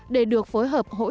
để được phối hợp hỗ trợ